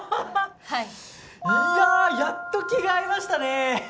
はいいややっと気が合いましたね